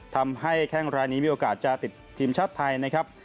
แข้งรายนี้มีโอกาสจะติดทีมชาติไทยนะครับ